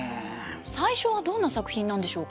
最初はどんな作品なんでしょうか。